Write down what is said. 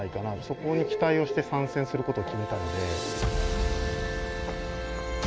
そこに期待をして参戦することを決めたので。